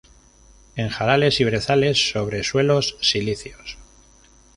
En jarales y brezales, sobre suelos silíceos.